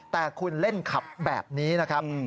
แต่คุณเล่นขับแบบนี้นะครับ